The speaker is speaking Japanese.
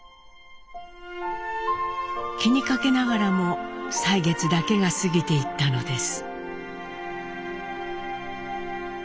気にかけながらも歳月だけが過ぎていったのです。